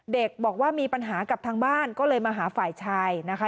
บอกว่ามีปัญหากับทางบ้านก็เลยมาหาฝ่ายชายนะคะ